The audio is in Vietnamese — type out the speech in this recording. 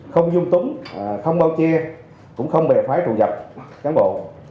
không dung túng không bao che cũng không bè phái trù dập cán bộ